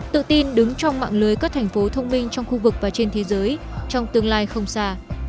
tự tin đứng trong mạng lưới các thành phố thông minh trong khu vực và trên thế giới trong tương lai không xa